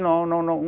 nó nó nó